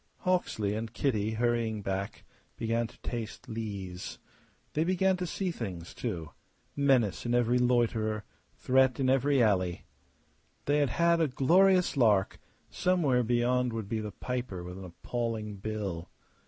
Hawksley and Kitty, hurrying back, began to taste lees. They began to see things, too menace in every loiterer, threat in every alley. They had had a glorious lark; somewhere beyond would be the piper with an appalling bill.